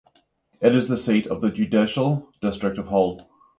It is the seat of the judicial district of Hull.